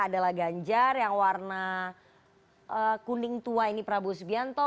adalah ganjar yang warna kuning tua ini prabowo subianto